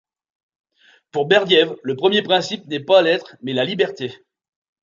Pour Berdiaev, le premier principe n'est pas l'être mais la liberté.